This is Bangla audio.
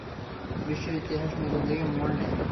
বিশ্ব-ইতিহাস নতুন দিকে মোড় নেয়।